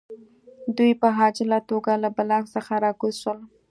دوی په عاجله توګه له بلاک څخه راکوز شول